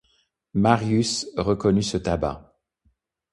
Marius reconnut ce tabac.